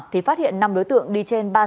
thì phát hiện năm đối tượng đi trên ba xe mô tử